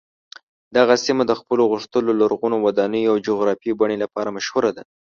دغه سیمه د خپلو غښتلو لرغونو ودانیو او جغرافیايي بڼې لپاره مشهوره ده.